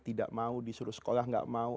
tidak mau disuruh sekolah nggak mau